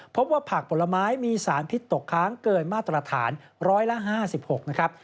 พบว่าผักผลไม้มีสารพิษตกค้างเกินมาตรฐานร้อยละ๕๖นะครับ